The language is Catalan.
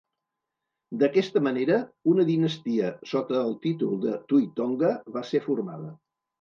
D'aquesta manera, una dinastia sota el títol de Tui Tonga va ser formada.